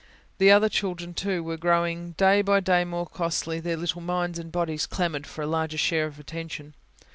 The other children, too, were growing day by day more costly; their little minds and bodies clamoured for a larger share of attention.